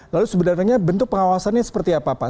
lalu sebenarnya bentuk pengawasannya seperti apa pak